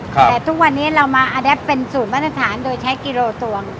แต่ทุกวันนี้เรามาอแดปเป็นสูตรมาตรฐานโดยใช้กิโลตวง